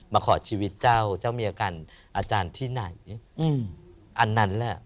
มาขอชีวิตเจ้าเจ้าเมียกันอาจารย์ที่ไหนอืมอันนั้นแหละ